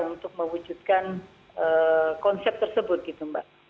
untuk mewujudkan konsep tersebut gitu mbak